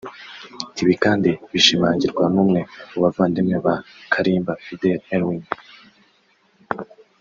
Ibi kandi bishimangirwa n’umwe mu bavandimwe ba Kalimba Fidel Elwin